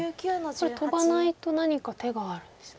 これトバないと何か手があるんですね？